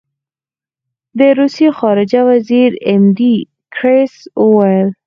د روسیې خارجه وزیر ایم ډي ګیرس وویل.